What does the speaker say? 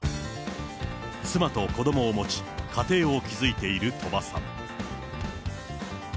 妻と子どもを持ち、家庭を築いている鳥羽さん。